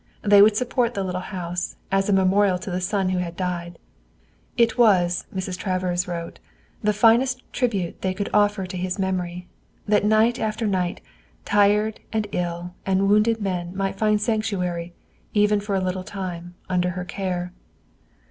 They would support the little house, as a memorial to the son who had died. It was, Mrs. Travers wrote, the finest tribute they could offer to his memory, that night after night tired and ill and wounded men might find sanctuary, even for a little time, under her care.